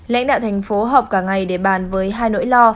lãnh đạo thành phố học cả ngày để bàn với hai nỗi lo